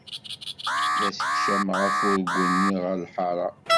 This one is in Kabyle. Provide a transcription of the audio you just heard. La ssekcameɣ afurgu-nni ɣer lḥaṛa.